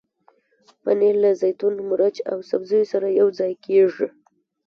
پنېر له زیتون، مرچ او سبزیو سره یوځای کېږي.